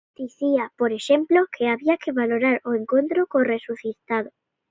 Dicía, por exemplo, que había que valorar o encontro co resucitado.